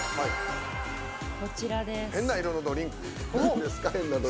変な色のドリンクなんですか？